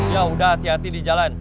ya udah hati hati di jalan